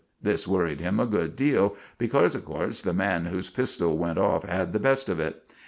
This worried him a good deal, becorse, of course, the man whose pistell went off had the best of it.